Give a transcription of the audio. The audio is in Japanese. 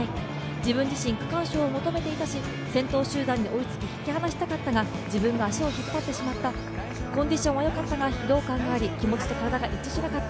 自分自身、区間賞を求めていたし、先頭集団で追いつき、引き離したかったが自分が足を引っ張ってしまったコンディションはよかったが疲労感があり、気持ちと体が一致しなかった。